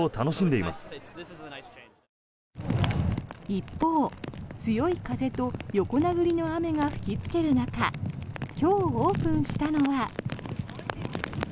一方、強い風と横殴りの雨が吹きつける中今日オープンしたのは。